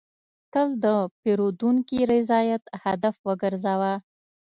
تل د پیرودونکي رضایت هدف وګرځوه.